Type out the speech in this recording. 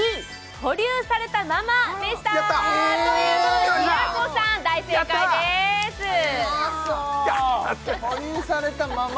「保留されたまま」でしたやった！ということで平子さん大正解ですやったやった「保留されたまま」